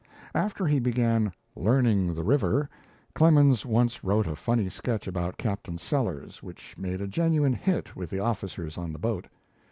After he began "learning the river," Clemens once wrote a funny sketch about Captain Sellers which made a genuine "hit" with the officers on the boat.